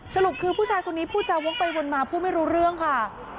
สรุปคือผู้ชายคนนี้พูดจาวกไปวนมาพูดไม่รู้เรื่องค่ะ